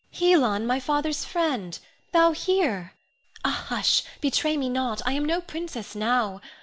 Ione. Helon, my father's friend! thou here! Ah, hush! Betray me not! I am no princess now.